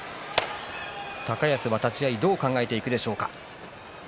高安は立ち合いどう考えていくでしょうか。